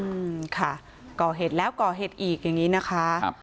อืมค่ะก่อเหตุแล้วก่อเหตุอีกอย่างงี้นะคะครับ